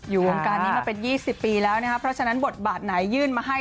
วงการนี้มาเป็น๒๐ปีแล้วนะครับเพราะฉะนั้นบทบาทไหนยื่นมาให้